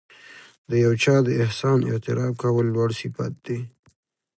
د یو چا د احسان اعتراف کول لوړ صفت دی.